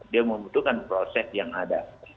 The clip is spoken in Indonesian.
dia membutuhkan proses yang ada